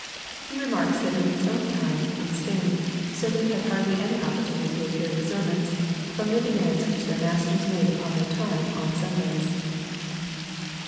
He remarks that in his own time, in Spain, servants had hardly any opportunity of hearing sermons, from the demands which their masters made upon their time on Sundays.